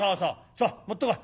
そう持ってこい。